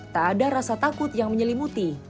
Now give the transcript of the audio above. tak ada rasa takut yang menyelimuti